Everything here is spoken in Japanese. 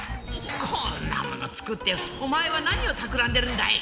こんなもの作っておまえは何をたくらんでるんだい？